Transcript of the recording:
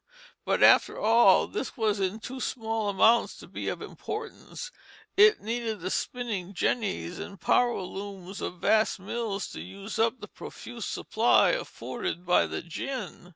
But, after all, this was in too small amounts to be of importance; it needed the spinning jennies and power looms of vast mills to use up the profuse supply afforded by the gin.